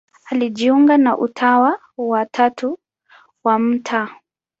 Alijiunga na Utawa wa Tatu wa Mt.